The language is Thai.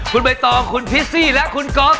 คุณใบตองคุณพิซซี่และคุณก๊อกครับผม